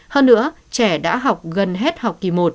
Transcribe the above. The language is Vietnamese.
hơn nữa trẻ đã học gần hết học kỳ một